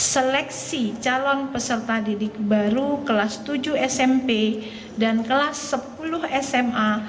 seleksi calon peserta didik baru kelas tujuh smp dan kelas sepuluh sma